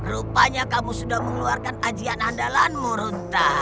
rupanya kamu sudah mengeluarkan ajian andalanmu runta